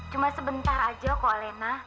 cuma sebentar aja kok lena